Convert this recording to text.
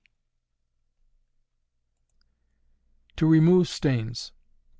_To Remove Stains.